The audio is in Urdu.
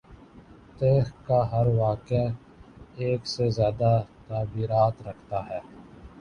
تایخ کا ہر واقعہ ایک سے زیادہ تعبیرات رکھتا ہے۔